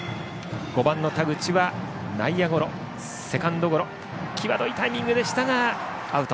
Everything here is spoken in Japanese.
５番の田口はセカンドゴロ、際どいタイミングでしたがアウト。